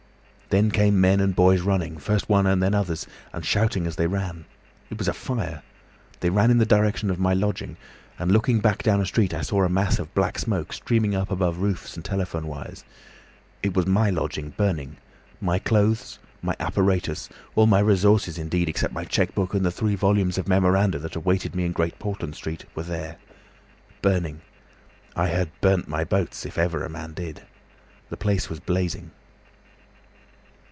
"Then came men and boys running, first one and then others, and shouting as they ran. It was a fire. They ran in the direction of my lodging, and looking back down a street I saw a mass of black smoke streaming up above the roofs and telephone wires. It was my lodging burning; my clothes, my apparatus, all my resources indeed, except my cheque book and the three volumes of memoranda that awaited me in Great Portland Street, were there. Burning! I had burnt my boats—if ever a man did! The place was blazing."